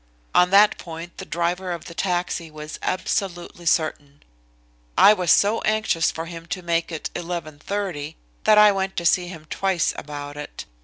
On that point the driver of the taxi was absolutely certain. I was so anxious for him to make it 11.30 that I went to see him twice about it.